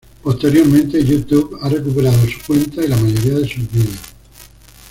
Posteriormente, YouTube ha recuperado su cuenta y la mayoría de sus vídeos.